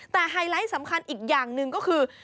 แต่ไฮไลท์สำคัญอีกอย่างหนึ่งก็คือ